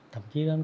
thậm chí đến